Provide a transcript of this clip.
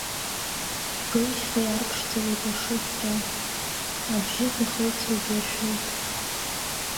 Геи-шьхеи арԥшӡауеит ашыцра, абжьыҳәа иахылҵуагьы ашәоуп.